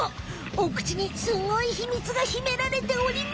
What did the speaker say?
お口にスゴいひみつがひめられておりました。